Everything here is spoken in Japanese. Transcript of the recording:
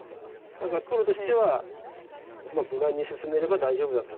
だから黒としては無難に進めれば大丈夫だと。